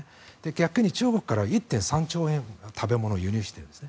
逆に中国からは１．３兆円食べ物を輸入しているんです。